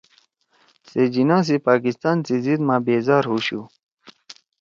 سےجناح سی پاکستان سی ضد ما بیزار ہُوشُو